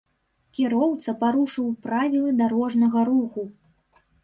Кіроўца парушыў правілы дарожнага руху.